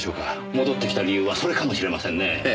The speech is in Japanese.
戻ってきた理由はそれかもしれませんねえ。